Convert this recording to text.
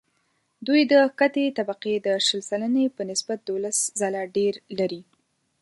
دوی د کښتې طبقې د شل سلنې په نسبت دوولس ځله ډېر لري